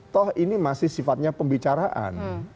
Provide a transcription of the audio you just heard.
toh ini masih sifatnya pembicaraan